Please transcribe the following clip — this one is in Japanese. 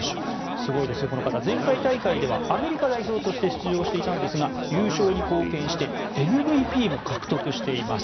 すごいですよ、この方。前回大会ではアメリカ代表として出場していたんですが優勝に貢献してＭＶＰも獲得しています。